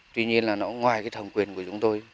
tuy nhiên là nó ngoài cái thẩm quyền của chúng tôi